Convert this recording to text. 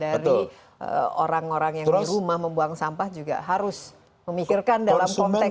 dari orang orang yang di rumah membuang sampah juga harus memikirkan dalam konteks